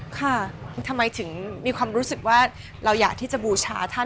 ค่ะทำไมถึงมีความรู้สึกว่าเราอยากที่จะบูชาท่าน